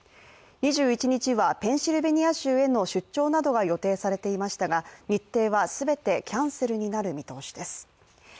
２１日はペンシルベニア州への出張などが予定されていましたが日程は全てキャンセルになる見通しです。